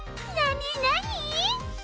なになに？